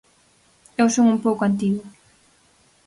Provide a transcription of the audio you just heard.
Eu son un pouco antigo.